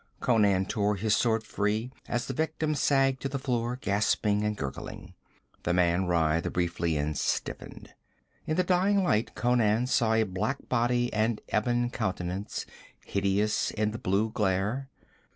Conan tore his sword free as the victim sagged to the floor, gasping and gurgling. The man writhed briefly and stiffened. In the dying light Conan saw a black body and ebon countenance, hideous in the blue glare.